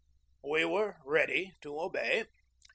We were ready to obey.